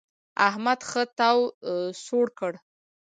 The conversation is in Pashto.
احمد ښه تاو سوړ کړ.